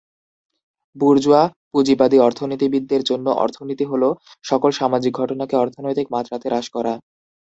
Bourgeois পুঁজিবাদী অর্থনীতিবিদদের জন্য, "অর্থনীতি" হল সকল সামাজিক ঘটনাকে অর্থনৈতিক মাত্রাতে হ্রাস করা।